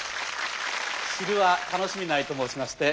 知るは楽しみなりと申しまして。